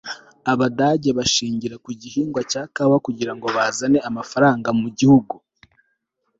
abagande bashingira ku gihingwa cya kawa kugirango bazane amafaranga mu gihugu